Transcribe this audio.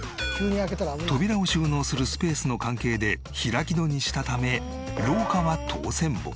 扉を収納するスペースの関係で開き戸にしたため廊下は通せんぼ。